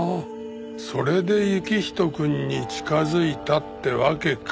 それで行人くんに近づいたってわけか。